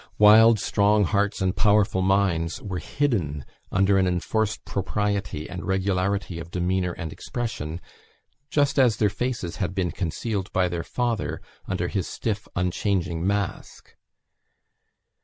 Wild, strong hearts, and powerful minds, were hidden under an enforced propriety and regularity of demeanour and expression, just as their faces had been concealed by their father, under his stiff, unchanging mask.